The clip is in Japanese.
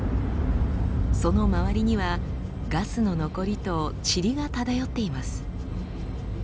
その周りにはガスの残りとチリが漂っています。